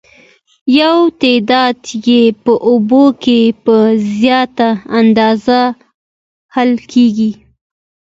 یو تعداد یې په اوبو کې په زیاته اندازه حل کیږي.